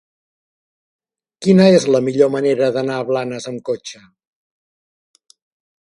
Quina és la millor manera d'anar a Blanes amb cotxe?